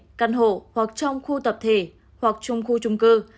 phải có nhà ở riêng lẻ căn hộ hoặc trong khu tập thể hoặc trong khu trung cư